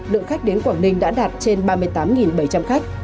lượng khách đến quảng ninh đã đạt trên ba mươi tám bảy trăm linh khách